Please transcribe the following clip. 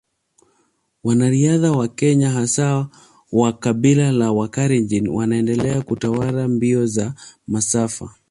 Wanariadha wa Kenya hasa wa kabila la Wakalenjin wanaendelea kutawala mbio za masafa